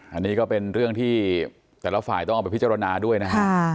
อันนี้ก็เป็นเรื่องที่แต่ละฝ่ายต้องเอาไปพิจารณาด้วยนะฮะ